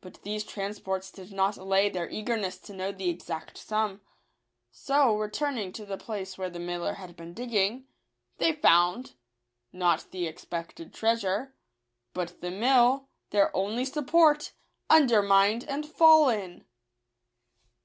But these transports did not allay their eagerness to know the exact sum ; so, returning to the place where the miller had been digging, they found — not the expected treasure, but the mill, their only support, undermined and fallen